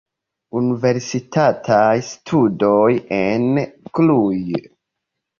Universitataj studoj en Cluj.